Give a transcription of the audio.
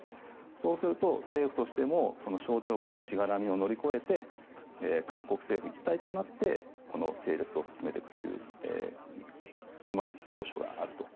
そうすると、政府としても省庁間のしがらみを乗り越えて韓国政府一体となってこのセールスを進めていくといううまい長所があると。